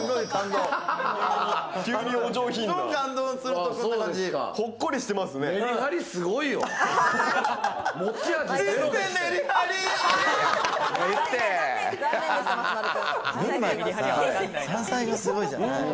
群馬って山菜がすごいじゃない？